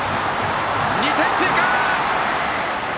２点追加！